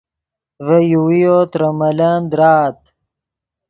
ڤے یوویو ترے ملن درآت